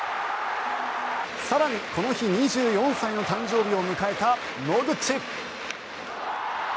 更に、この日２４歳の誕生日を迎えた野口。